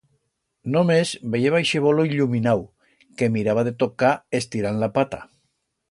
Només veyeba ixe bolo illuminau, que miraba de tocar estirand la pata.